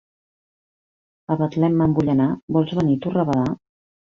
A Betlem me’n vull anar, vols venir tu rabadà?